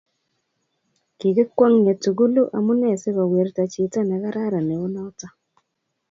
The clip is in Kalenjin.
kiki kwong'ie tugulu amune sikuwirta chito ne kararan neu noto